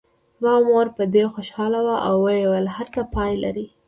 زما مور په دې خوشاله وه او ویل یې هر څه پای لري.